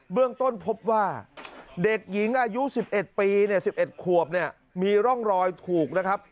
เบื้องต้นพบว่าเด็กหญิงอายุ๑๑ปีอายุ๑๑ควบมีร่องรอยถูกนะครับ